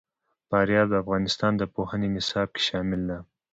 فاریاب د افغانستان د پوهنې نصاب کې شامل دي.